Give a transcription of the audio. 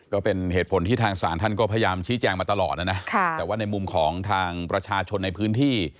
ก็เป็นเหตุผลที่ทางศาลท่านก็พยายามชี้แจงมาตลอดนะนะแต่ว่าในมุมของทางประชาชนในพื้นที่